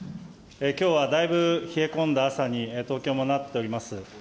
きょうはだいぶ冷え込んだ朝に、東京もなっております。